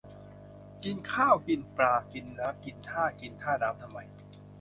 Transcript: กินข้าว กินปลา กินน้ำ กินท่า กินท่าน้ำทำไม